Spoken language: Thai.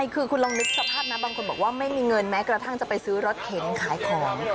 คือคุณลองนึกสภาพนะบางคนบอกว่าไม่มีเงินแม้กระทั่งจะไปซื้อรถเข็นขายของ